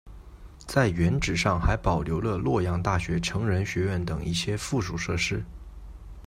在原址上还保留了洛阳大学成人学院等一些附属设施。